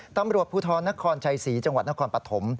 ตำรวจภูทรนครชัยศรีจังหวัดนครปฐม